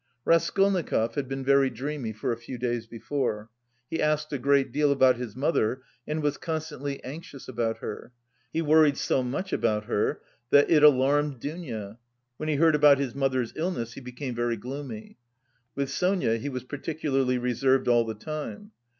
Raskolnikov had been very dreamy for a few days before. He asked a great deal about his mother and was constantly anxious about her. He worried so much about her that it alarmed Dounia. When he heard about his mother's illness he became very gloomy. With Sonia he was particularly reserved all the time.